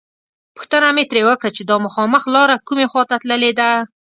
پوښتنه مې ترې وکړه چې دا مخامخ لاره کومې خواته تللې ده.